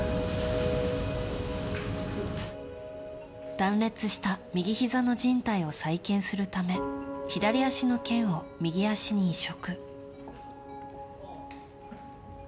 断裂した右ひざのじん帯を再建するため左足の腱を右足に移植。